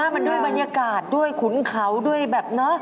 มันด้วยบรรยากาศด้วยขุนเขาด้วยแบบเนอะ